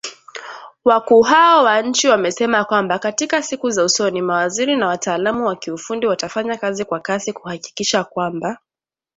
Wakuu hao wa nchi wamesema kwamba katika siku za usoni, mawaziri na wataalamu wa kiufundi watafanya kazi kwa kasi kuhakikisha kwamba.